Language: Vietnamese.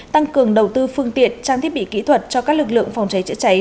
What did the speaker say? tăng cường đầu tư phương tiện trang thiết bị kỹ thuật cho các lực lượng phòng cháy chữa cháy